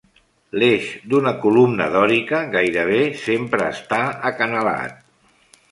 L'eix d'una columna dòrica gairebé sempre està acanalat.